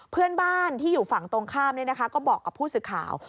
เพื่อนบ้านที่อยู่ฝั่งตรงข้ามก็บอกกับผู้สื่อข่าว